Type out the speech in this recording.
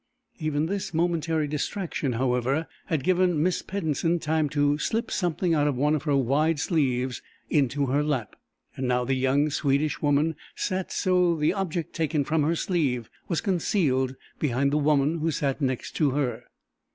Even this momentary distraction, however, had given Miss Peddensen time to slip something out of one of her wide sleeves into her lap. And now the young Swedish woman sat so that the object taken from her sleeve was concealed behind the woman who sat next to her.